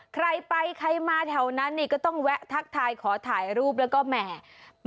ใครไปใครมาแถวนั้นนี่ก็ต้องแวะทักทายขอถ่ายรูปแล้วก็แหม